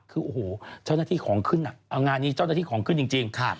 คือโอ้โหเจ้าหน้าที่ของขึ้นอ่ะเอางานนี้เจ้าหน้าที่ของขึ้นจริง